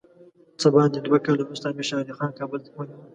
څه باندې دوه کاله وروسته امیر شېر علي خان کابل ونیوی.